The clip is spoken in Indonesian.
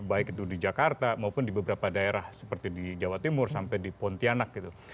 baik itu di jakarta maupun di beberapa daerah seperti di jawa timur sampai di pontianak gitu